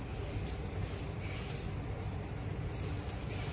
สวัสดีครับ